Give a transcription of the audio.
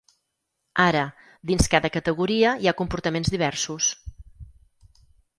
Ara, dins cada categoria hi ha comportaments diversos.